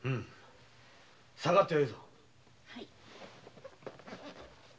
下がってよいぞ。